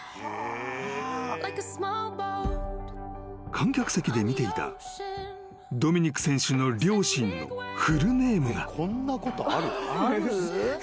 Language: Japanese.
［観客席で見ていたドミニク選手の両親のフルネームが］